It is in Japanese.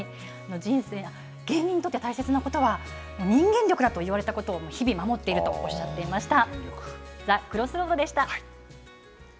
芸人にとって大切なことは、人間力だと言われたことを、日々守っているとおっしゃっていました。